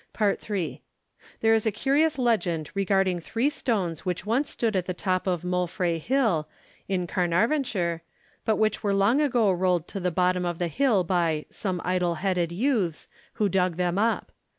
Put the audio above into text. III. There is a curious legend regarding three stones which once stood on the top of Moelfre Hill, in Carnarvonshire, but which were long ago rolled to the bottom of the hill by 'some idle headed youths' who dug them up.